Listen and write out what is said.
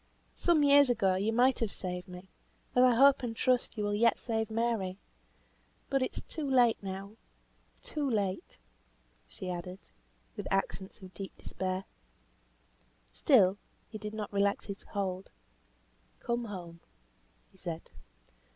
Some years ago you might have saved me, as I hope and trust you will yet save Mary. But it is too late now; too late," she added, with accents of deep despair. Still he did not relax his hold. "Come home," he said.